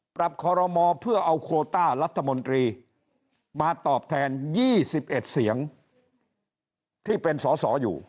คอรมอเพื่อเอาโคต้ารัฐมนตรีมาตอบแทน๒๑เสียงที่เป็นสอสออยู่